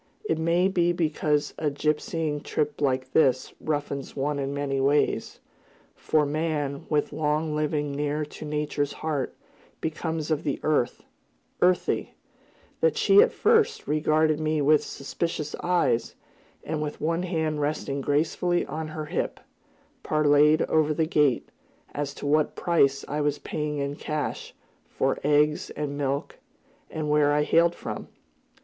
It may be because a gypsying trip like this roughens one in many ways, for man, with long living near to Nature's heart, becomes of the earth, earthy, that she at first regarded me with suspicious eyes, and, with one hand resting gracefully on her hip, parleyed over the gate, as to what price I was paying in cash, for eggs and milk, and where I hailed from.